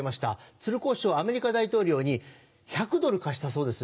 鶴光師匠アメリカ大統領に１００ドル貸したそうです。